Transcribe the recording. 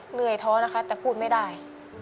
เหนื่อยท้อนะคะแต่พูดไม่ได้